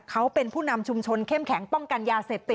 เขาเป็นผู้นำชุมชนเข้มแข็งป้องกันยาเสพติด